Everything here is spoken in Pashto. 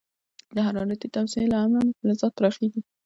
د حرارتي توسعې له امله فلزات پراخېږي.